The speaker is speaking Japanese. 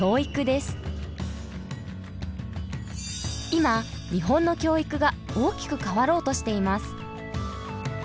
今日本の教育が大きく変わろうとしています。